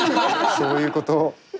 そういうこと。